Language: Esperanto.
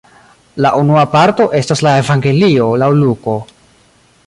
La unua parto estas la evangelio laŭ Luko.